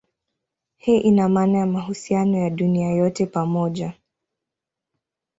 Hii ina maana ya mahusiano ya dunia yote pamoja.